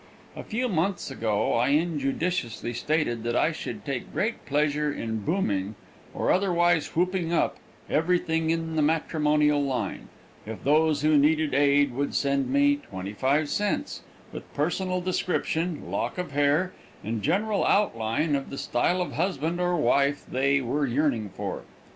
A few months ago I injudiciously stated that I should take great pleasure in booming, or otherwise whooping up, everything in the matrimonial line, if those who needed aid would send me twenty five cents, with personal description, lock of hair, and general outline of the style of husband or wife they were yearning for.